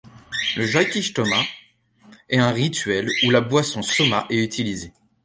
Le jyotishtoma est un rituel où la boisson soma est utilisée.